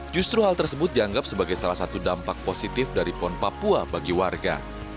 justru hal tersebut dianggap sebagai salah satu dampak positif dari pon papua bagi warga